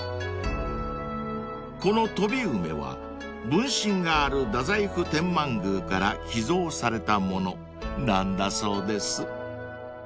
［この飛梅は分身がある太宰府天満宮から寄贈されたものなんだそうです］